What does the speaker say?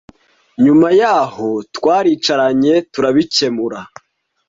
nyuma yaho twaricaranye turabikemura